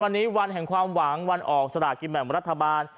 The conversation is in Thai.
วันนี้วันแห่งความหวังวันออกสลากินแบ่งรัฐบาล